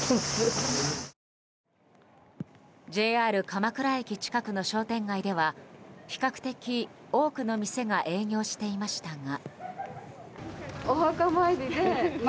鎌倉駅近くの商店街では比較的、多くの店が営業していましたが。